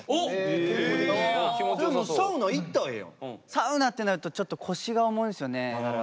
サウナってなるとちょっと腰が重いんすよね。